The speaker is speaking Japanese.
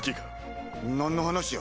何の話や？